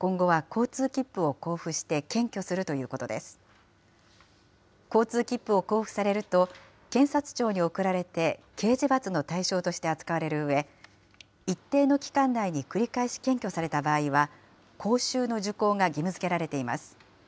交通切符を交付されると、検察庁に送られて、刑事罰の対象として扱われるうえ、一定の期間内に繰り返し検挙された場合は、講習の受講が義務づけられています。